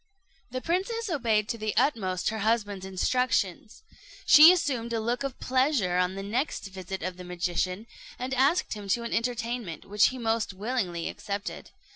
The princess obeyed to the utmost her husband's instructions. She assumed a look of pleasure on the next visit of the magician, and asked him to an entertainment, which he most willingly accepted.